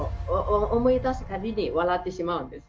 思い出すたびに笑ってしまうんです。